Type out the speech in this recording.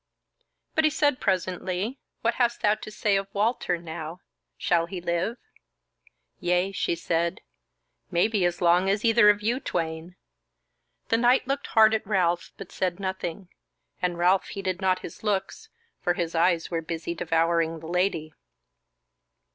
But he said presently: "What hast thou to say of Walter now? Shall he live?" "Yea," she said, "maybe as long as either of you twain." The knight looked hard at Ralph, but said nothing, and Ralph heeded not his looks, for his eyes were busy devouring the Lady.